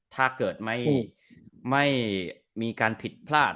ถ้าเกิดไม่มีการผิดพลาด